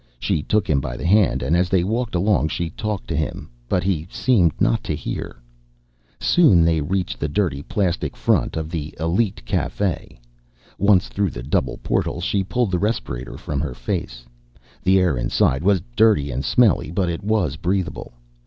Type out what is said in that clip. She took him by the hand and as they walked along she talked to him. But he seemed not to hear. Soon they reached the dirty, plastic front of the Elite Cafe. Once through the double portals, she pulled the respirator from her face. The air inside was dirty and smelly but it was breathable.